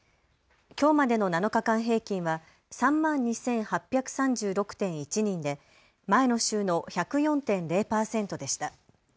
きょうまでの７日間平均は３万２８３６．１人で前の週の１０４．０％でした。